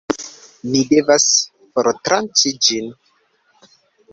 Ni devas fortranĉi ĝin